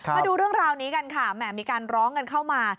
มาดูเรื่องราวนี้กันค่ะแหม่มีการร้องกันเข้ามา